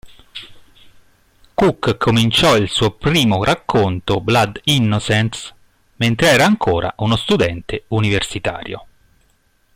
Cook cominciò il suo primo racconto, "Blood Innocents", mentre era ancora uno studente universitario.